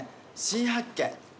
新発見。